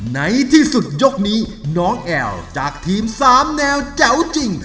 ในที่สุดยกนี้น้องแอลจากทีม๓แนวแจ๋วจริง